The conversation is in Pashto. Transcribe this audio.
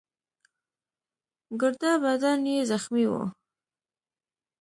ګرده بدن يې زخمي وو.